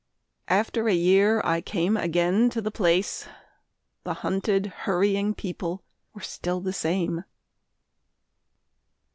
After a year I came again to the place The hunted hurrying people were still the same....